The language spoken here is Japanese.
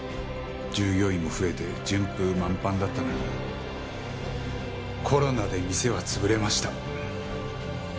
従業員も増えて順風満帆だったのにコロナで店は潰れました。